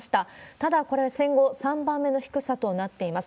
ただ、これ、戦後３番目の低さとなっています。